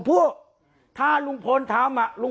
การแก้เคล็ดบางอย่างแค่นั้นเอง